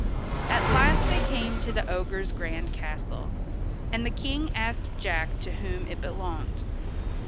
At last they came to the ogre's grand castle, and the King asked Jack to whom it belonged.